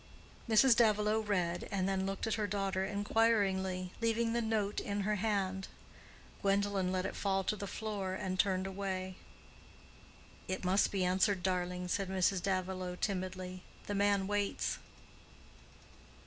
Mrs. Davilow read, and then looked at her daughter inquiringly, leaving the note in her hand. Gwendolen let it fall to the floor, and turned away. "It must be answered, darling," said Mrs. Davilow, timidly. "The man waits."